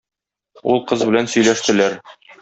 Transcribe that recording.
Ул кыз белән сөйләштеләр.